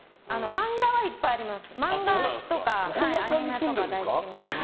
漫画はいっぱいあります。